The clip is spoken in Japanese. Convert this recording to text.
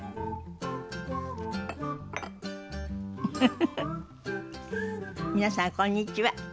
フフフフ皆さんこんにちは。